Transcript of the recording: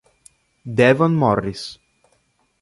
Devon Morris